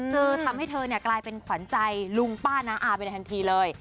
เธอทำให้เธอกลายเป็นขวัญใจลุงป้าน้าอาไปในทันทีเลย